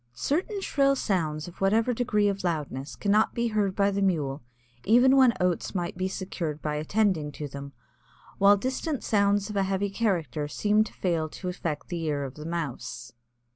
Certain shrill sounds of whatever degree of loudness, cannot be heard by the Mule even when oats might be secured by attending to them, while distant sounds of a heavy character seem to fail to affect the ear of the Mouse.